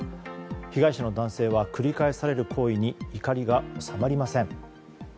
被害者の男性は繰り返される行為に怒りが収まりません。